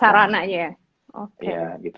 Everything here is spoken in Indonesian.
sarananya ya oke